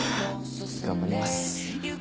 頑張ります。